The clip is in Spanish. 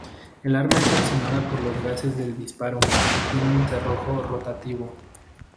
El arma es accionada por los gases del disparo y tiene un cerrojo rotativo.